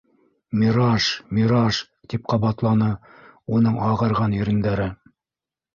«Мираж, мираж!» - тип ҡабатланы уның ағарған ирендәре.